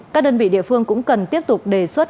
các đơn vị địa phương cũng cần tiếp tục đề xuất